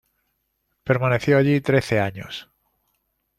Permaneció allí trece años.